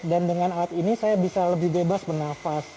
dan dengan alat ini saya bisa lebih bebas menafas